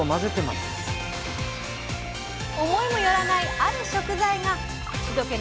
思いもよらないある食材が口どけ